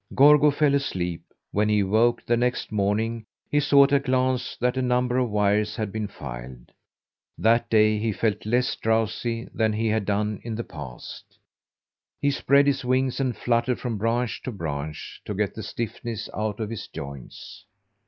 Gorgo fell asleep. When he awoke the next morning he saw at a glance that a number of wires had been filed. That day he felt less drowsy than he had done in the past. He spread his wings, and fluttered from branch to branch to get the stiffness out of his joints.